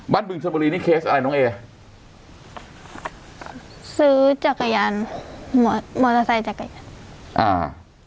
บึงชนบุรีนี่เคสอะไรน้องเอซื้อจักรยานหัวมอเตอร์ไซค์จักรยานอ่า